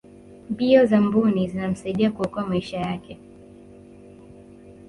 mbio za mbuni zinamsaidia kuokoa maisha yake